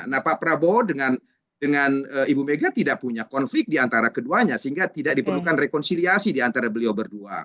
nah pak prabowo dengan ibu mega tidak punya konflik diantara keduanya sehingga tidak diperlukan rekonsiliasi diantara beliau berdua